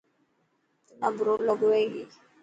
تنا برو لڳو هي ڪي.